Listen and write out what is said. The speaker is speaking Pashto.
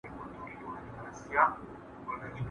¬ له ژرندي زه راځم، د مزد خبري ئې ته کوې.